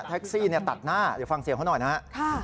แท็กซี่ตัดหน้าเดี๋ยวฟังเสียงเขาหน่อยนะฮะ